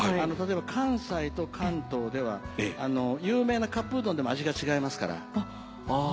例えば関西と関東では有名なカップうどんでも味が違いますから。